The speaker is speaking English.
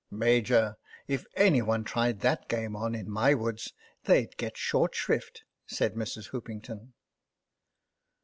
" Major, if any one tried that game on in my woods they'd get short shrift," said Mrs. Hoopington.